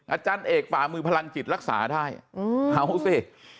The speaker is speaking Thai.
อาจารย์เอกฝ่ามือพลังจิตรักษาได้เอาสิ